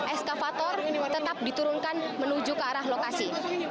eskavator tetap diturunkan menuju ke arah lokasi